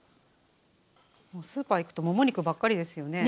スーパー行くともも肉ばっかりですよね。